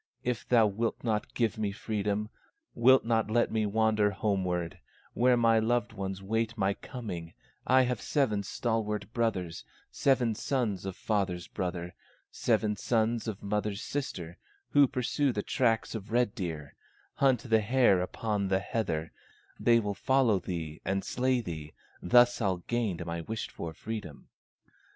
If thou wilt not give me freedom, Wilt not let me wander homeward, Where my loved ones wait my coming, I have seven stalwart brothers, Seven sons of father's brother, Seven sons of mother's sister, Who pursue the tracks of red deer, Hunt the hare upon the heather; They will follow thee and slay thee, Thus I'll gain my wished for freedom."